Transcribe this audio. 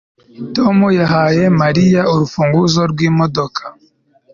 Tom yahaye Mariya urufunguzo rwimodoka